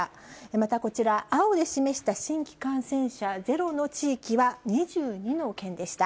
またこちら、青で示した新規感染者ゼロの地域は２２の県でした。